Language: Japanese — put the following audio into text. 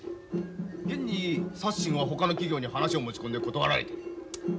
現にサッシンはほかの企業に話を持ち込んで断られてる。